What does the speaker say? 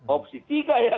opsi tiga ya